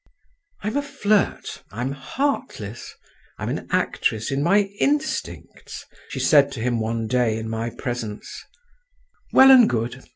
"I'm a flirt, I'm heartless, I'm an actress in my instincts," she said to him one day in my presence; "well and good!